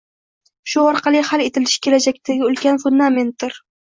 Shu orqali hal etilishi kelajakdagi ulkan fundamentdir.